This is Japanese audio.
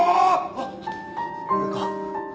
あっ俺か。